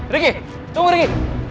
riki tunggu riki